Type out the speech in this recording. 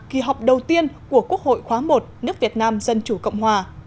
kỳ họp đầu tiên của quốc hội khóa một nước việt nam dân chủ cộng hòa